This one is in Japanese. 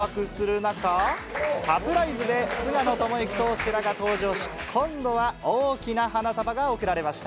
これに困惑する中、サプライズで菅野智之投手らが登場し、今度は大きな花束が贈られました。